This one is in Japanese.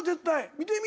見てみ？